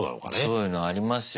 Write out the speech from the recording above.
そういうのありますよ。